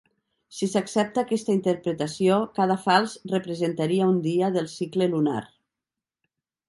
Si s'accepta aquesta interpretació, cada falç representaria un dia del cicle lunar.